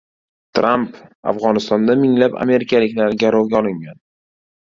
Tramp: "Afg‘onistonda minglab amerikaliklar garovga olingan"